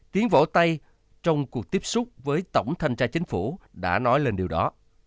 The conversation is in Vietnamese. tiến võ tây trong cuộc tiếp xúc với tổng thanh tra chính phủ đã nói lên điều đó